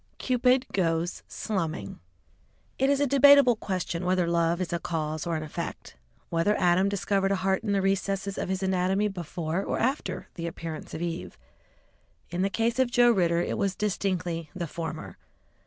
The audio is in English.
CUPID GOES SLUMMING It is a debatable question whether love is a cause or an effect, whether Adam discovered a heart in the recesses of his anatomy before or after the appearance of Eve. In the case of Joe Ridder it was distinctly the former.